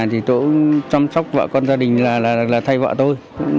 thì chỗ chăm sóc vợ con gia đình là thay vợ tôi